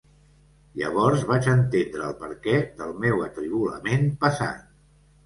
Llavors vaig entendre el perquè del meu atribolament passat.